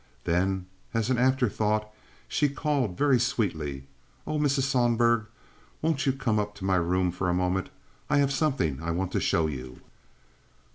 Then, as an afterthought, she called very sweetly: "Oh, Mrs. Sohlberg, won't you come up to my room for a moment? I have something I want to show you."